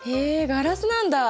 ガラスなんだ。